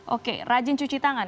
oke rajin cuci tangan